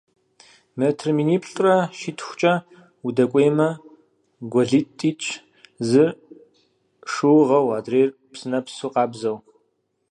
Метр миниплӏрэ щитхукӀэ удэкӀуеймэ, гуэлитӀ итщ, зыр шыугъэу, адрейр псынэпсу къабзэу.